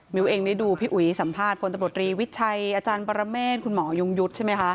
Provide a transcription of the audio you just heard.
เองได้ดูพี่อุ๋ยสัมภาษณ์พลตำรวจรีวิชัยอาจารย์ปรเมฆคุณหมอยงยุทธ์ใช่ไหมคะ